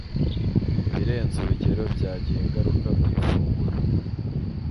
ibirenze urugero byagira ingaruka ku ifunguro